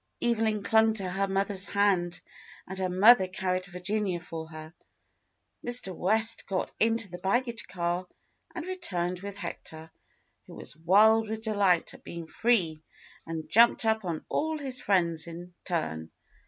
Evelyn clung to her mother's hand, and her mother carried Virginia for her. Mr. West got into the baggage car and returned with Hector, who was wild with delight at being free and jumped up on all his friends in turn.